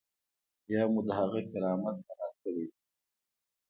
یا مو د هغه کرامت مراعات کړی دی.